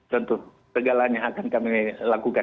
tentu segalanya akan kami lakukan